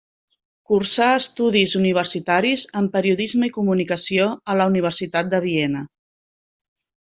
Cursà estudis universitaris en periodisme i comunicació a la Universitat de Viena.